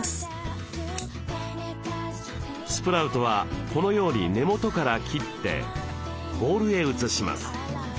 スプラウトはこのように根元から切ってボウルへ移します。